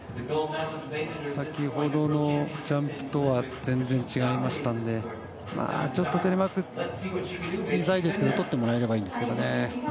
先ほどのジャンプとは全然違いましたのでちょっとテレマークが小さいですけど取ってもらえるといいですね。